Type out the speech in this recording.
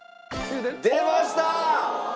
出ました！